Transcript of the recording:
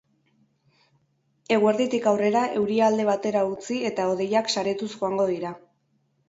Eguerditik aurrera euria alde batera utzi eta hodeiak saretuz joango dira.